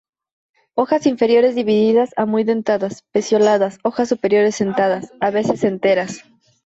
Hojas inferiores divididas a muy dentadas, pecioladas; hojas superiores sentadas, a veces enteras.